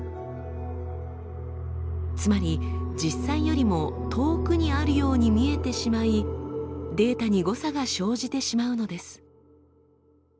つまり実際よりも遠くにあるように見えてしまいデータに誤差が生じてしまうのです。